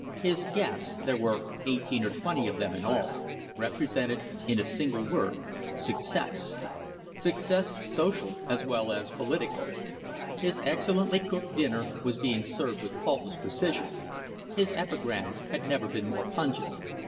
His guests there were eighteen or twenty of them in all represented in a single word Success success social as well as political. His excellently cooked dinner was being served with faultless precision. His epigrams had never been more pungent.